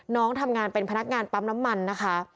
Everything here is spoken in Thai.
น้องทำงานเป็นพนักงานปั๊มน้ำมันนะคะ